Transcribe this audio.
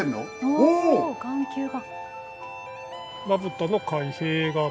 おお眼球が！